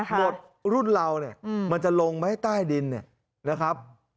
หมดรุ่นเราเนี่ยมันจะลงไหมใต้ดินเนี่ยนะครับ